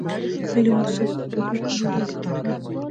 ملي مواسسات یې د ببرک او نورو ملکيتونه ګڼل.